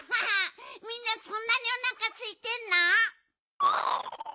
みんなそんなにおなかすいてんの？